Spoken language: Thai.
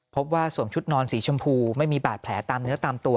สวมชุดนอนสีชมพูไม่มีบาดแผลตามเนื้อตามตัว